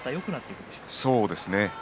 そうですね。